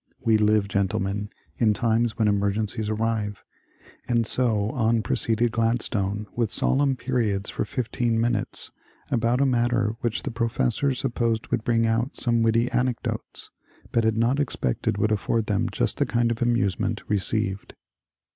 We live. Gentlemen, in times when emergencies arrive," — and so on proceeded Gladstone with solemn periods for fifteen minutes about a matter which the professors supposed would bring out some witty anecdotes, but had not expected would afford them just the kind of amusement received.